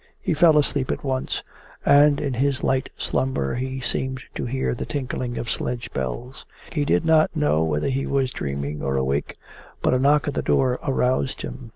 He fell asleep at once, and in his light slumber he seemed to hear the tinkling of sledge bells. He did not know whether he was dreaming or awake, but a knock at the door aroused him.